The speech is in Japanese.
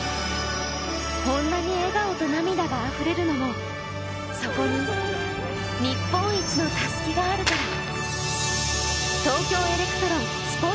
こんなに笑顔と涙があふれるのも、そこに日本一のたすきがあるから。